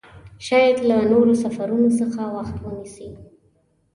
شاید له نورو سفرونو څخه وخت ونیسي.